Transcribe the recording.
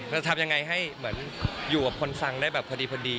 จะทำยังไงให้เหมือนอยู่กับคนฟังได้แบบพอดี